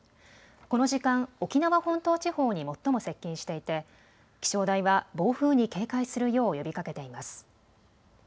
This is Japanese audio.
この時間、沖縄本島地方に最も接近していて気象台は暴風に警戒するよう呼びかけています。